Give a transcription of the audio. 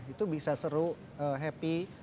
itu bisa seru happy